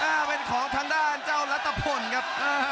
อ้าวเป็นของทางด้านเจ้ารัตภัณฑ์ครับ